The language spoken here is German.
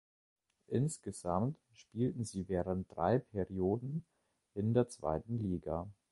Insgesamt spielten sie während drei Perioden in der zweiten Liga.